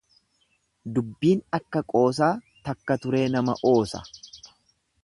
Dubbiin akka qoosaa takka turee nama oosa.